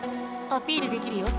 アピールできるよ。